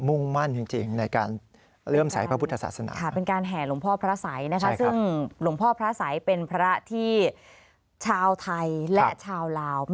มุ่งมั่นจริงในการเริ่มสายพระพุทธศาสนา